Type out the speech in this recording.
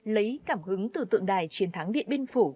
lấy cảm hứng từ tượng đài chiến thắng điện biên phủ